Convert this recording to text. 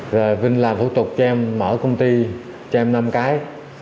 rồi vinh làm thủ tục cho em mở công ty cho em năm cái